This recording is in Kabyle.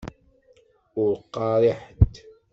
Ur qqaṛ i ḥed.